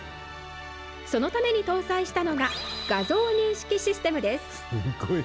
そのために搭載したのが、画像認識システムです。